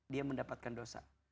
dia mendapatkan dosa